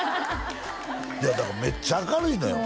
いやだからめっちゃ明るいのよ